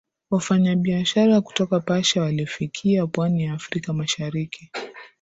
Wafanyabiashara kutoka Persia walifikia pwani ya Afrika Mashariki